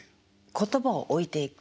言葉を置いていく。